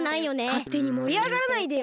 かってにもりあがらないでよ。